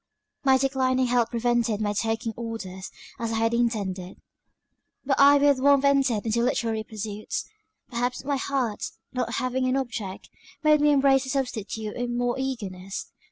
"My declining health prevented my taking orders, as I had intended; but I with warmth entered into literary pursuits; perhaps my heart, not having an object, made me embrace the substitute with more eagerness.